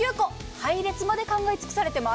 配列まで考え尽くされてます。